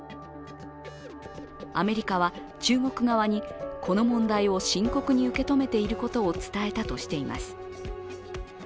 アメリカは中国側にこの問題を深刻に受け止めていることを伝えたとしています。